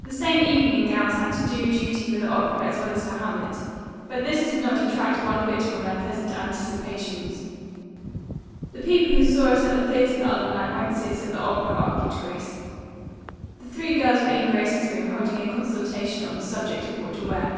The same evening gowns had to do duty for the opera as well as for "Hamlet," but this did not detract one whit from their pleasant anticipations. "The people who saw us at the theatre the other night won't see us at the opera," argued Grace. The three girls were in Grace's room holding a consultation on the subject of what to wear.